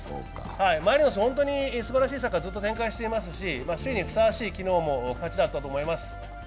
マリノス、本当にすばらしいサッカーをずっと展開していますし、昨日も首位にふさわしい勝ちだったと思います。